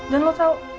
dan lo tau